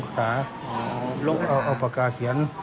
สารับกันไปเห็ดเห็นทีละคน